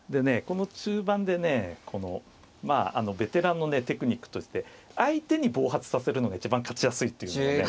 この中盤でねこのベテランのねテクニックとして相手に暴発させるのが一番勝ちやすいっていうのをね